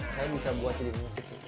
saya bisa buat jadi musik itu